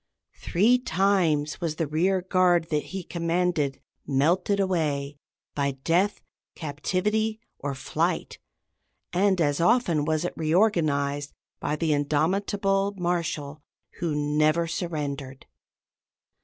Three times was the rear guard that he commanded melted away by death, captivity, or flight, and as often was it reorganized by the indomitable Marshal who "never surrendered."